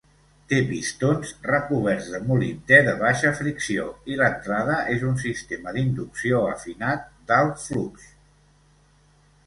Té pistons recoberts de molibdè de baixa fricció i l'entrada és un sistema d'inducció afinat d'alt flux.